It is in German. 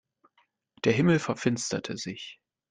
Der Himmel verfinsterte sich.